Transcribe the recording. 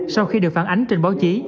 sau khi được phản ánh trên báo chí